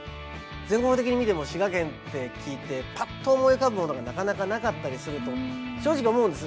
全国的に見ても滋賀県って聞いてパッと思い浮かぶものがなかなかなかったりすると正直思うんです。